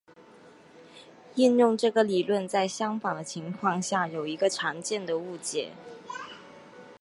应用这个理论在相反的情况下有一个常见的误解。